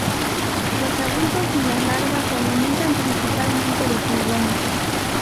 Los adultos y las larvas se alimentan principalmente de pulgones.